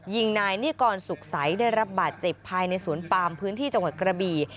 ยิงนายนิกรสุขใสได้รับบาดเจ็บภายในสวนปามพื้นที่จังหวัดกระบี่